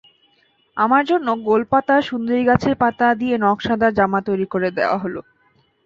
আমার জন্য গোলপাতা, সুন্দরীগাছের পাতা দিয়ে নকশাদার জামা তৈরি করে দেওয়া হলো।